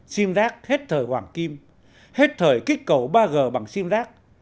sim rác hết thời hoàng kim hết thời kích cầu ba g bằng sim rác